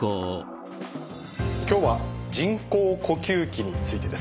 今日は人工呼吸器についてです。